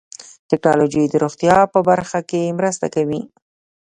ټکنالوجي د روغتیا په برخه کې مرسته کوي.